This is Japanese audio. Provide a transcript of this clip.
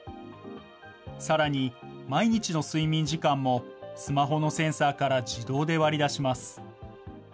さらに、毎日の睡眠時間もスマホのセンサーから自動で割り出します。